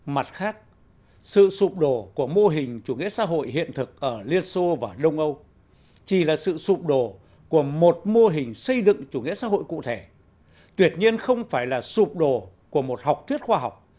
mặt khác sự sụp đổ của mô hình chủ nghĩa xã hội hiện thực ở liên xô và đông âu chỉ là sự sụp đổ của một mô hình xây dựng chủ nghĩa xã hội cụ thể tuyệt nhiên không phải là sụp đổ của một học thuyết khoa học